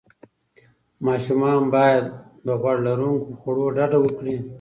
ماشومان باید له غوړ لروونکو خوړو ډډه وکړي.